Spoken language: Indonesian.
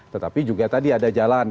tetapi juga tadi ada jalan